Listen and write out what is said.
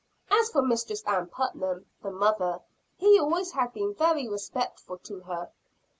As for Mistress Ann Putnam, the mother, he always had been very respectful to her.